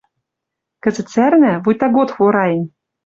Кӹзӹт сӓрнӓ, вуйта год хвораен